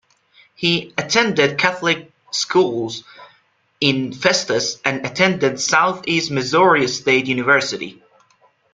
He attended Catholic Schools in Festus and attended Southeast Missouri State University.